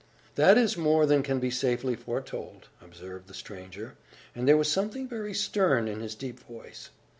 "That is more than can be safely foretold," observed the stranger; and there was something very stern in his deep voice.